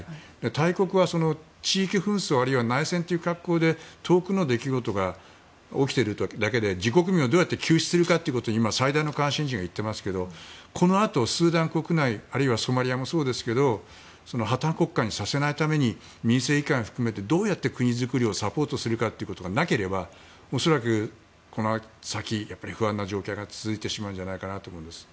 大国は、地域紛争あるいは内戦という格好で遠くで出来事が起きていることだけで自国民をどうやって救出するかということに最大の関心事が言っていますけどこのあとスーダン国内あるいはソマリアもそうですけど破綻国家にさせないために民政移管を含めてどうやって国づくりをサポートするかというのがなければ恐らく、この先不安な状況が続いてしまうと思います。